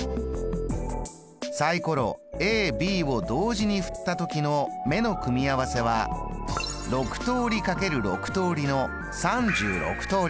サイコロＡＢを同時に振ったときの目の組み合わせは６通り×６通りの３６通り。